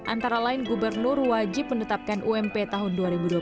antara lain gubernur wajib menetapkan ump tahun dua ribu dua puluh satu